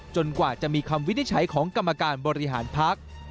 กว่าจะมีคำวินิจฉัยของกรรมการบริหารพัก